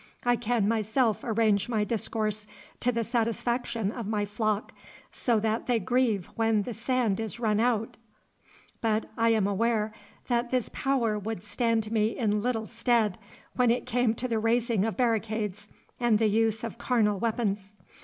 I can myself arrange my discourse to the satisfaction of my flock, so that they grieve when the sand is run out; (Note E. Appendix) but I am aware that this power would stand me in little stead when it came to the raising of barricades and the use of carnal weapons.